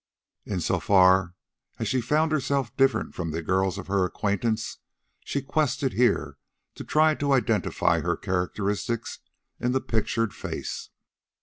In so far as she found herself different from the girls of her acquaintance, she quested here to try to identify her characteristics in the pictured face.